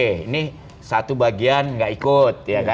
ini satu bagian gak ikut